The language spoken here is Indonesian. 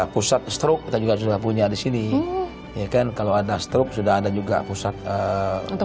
pusat stroke kita juga sudah punya di sini ya kan kalau ada stroke sudah ada juga pusat untuk